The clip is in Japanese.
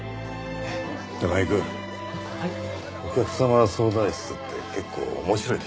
高木君お客様相談室って結構面白いでしょ。